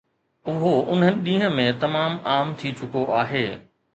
اهو انهن ڏينهن ۾ تمام عام ٿي چڪو آهي